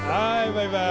バイバイ！